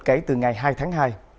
kể từ ngày hai tháng hai